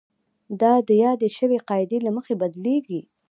دا د یادې شوې قاعدې له مخې بدلیږي.